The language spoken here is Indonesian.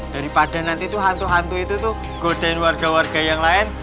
daripada nanti tuh hantu hantu itu tuh godain warga warga yang lain